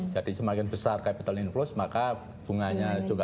jadi semakin besar capital inflows maka bunganya juga